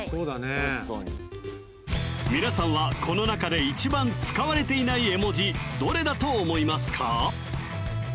確かに皆さんはこの中で一番使われていない絵文字どれだと思いますか？